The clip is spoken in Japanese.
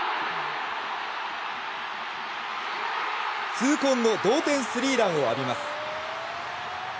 痛恨の同点スリーランを浴びます。